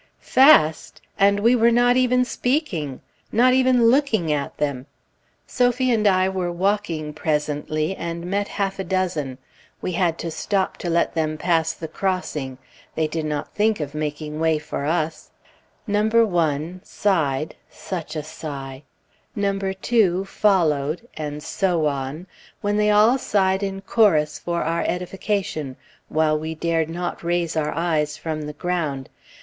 Fast! and we were not even speaking! not even looking at them! Sophie and I were walking presently, and met half a dozen. We had to stop to let them pass the crossing; they did not think of making way for us; No. 1 sighed such a sigh! No. 2 followed, and so on, when they all sighed in chorus for our edification, while we dared not raise our eyes from the ground.